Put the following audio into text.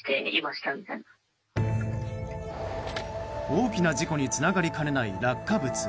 大きな事故につながりかねない落下物。